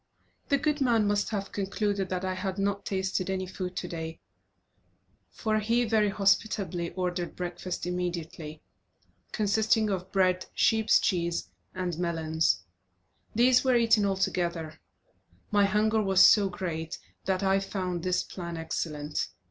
The good man must have concluded that I had not tasted any food today, for he very hospitably ordered breakfast immediately, consisting of bread, sheep's cheese, and melons. These were eaten all together. My hunger was so great that I found this plan excellent.